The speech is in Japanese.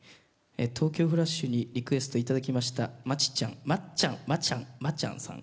「東京フラッシュ」にリクエストいただきましたまちちゃんまっちゃんまちゃんまちゃんさん。